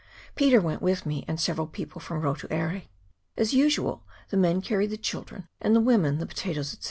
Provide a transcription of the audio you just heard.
Peter went with me, and several people from Rotu Aire. As usual, the men carried the children, and the women the potatoes, &c.